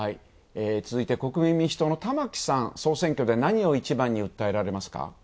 続いて、国民民主党の玉木さん、総選挙で何を一番訴えられますか？